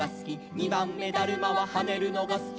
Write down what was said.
「にばんめだるまははねるのがすき」